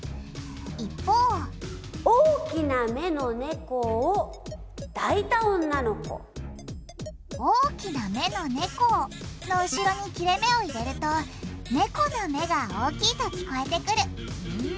一方「大きな目の猫を」の後ろに切れめを入れると猫の目が大きいと聞こえてくる。